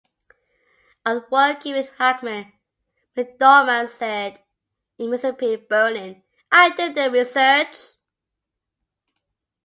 On working with Hackman, McDormand said, "... in "Mississippi Burning", I didn't do research.